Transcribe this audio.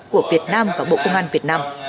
của việt nam và bộ công an việt nam